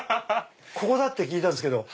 ここだって聞いたんですけど。